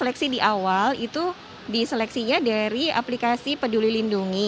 seleksi di awal itu diseleksinya dari aplikasi peduli lindungi